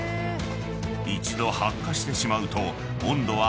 ［一度発火してしまうと温度は］